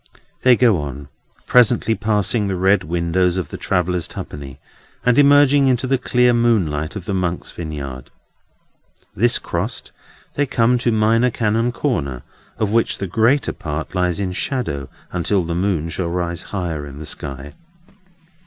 They go on, presently passing the red windows of the Travellers' Twopenny, and emerging into the clear moonlight of the Monks' Vineyard. This crossed, they come to Minor Canon Corner: of which the greater part lies in shadow until the moon shall rise higher in the sky.